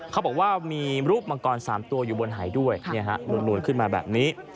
เขาบอกว่ามีรูปมังกร๓ตัวอยู่บนหายด้วยนูนขึ้นมาแบบนี้